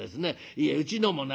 いえうちのもね